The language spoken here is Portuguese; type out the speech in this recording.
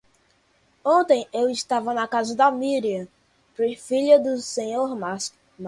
Ontem eu estava na casa da Miriam, filha do Senhor Marcos.